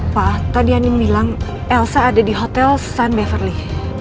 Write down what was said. pak tadi anin bilang elsa ada di hotel sun beverly